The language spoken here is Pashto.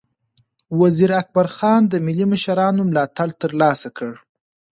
وزیر اکبرخان د ملي مشرانو ملاتړ ترلاسه کړ.